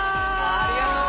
ありがとう。